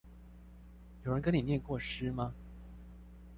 有人跟你唸過詩嗎